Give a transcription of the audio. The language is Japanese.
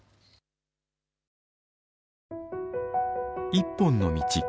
「一本の道」。